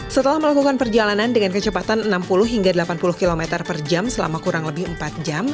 setelah melakukan perjalanan dengan kecepatan enam puluh hingga delapan puluh km per jam selama kurang lebih empat jam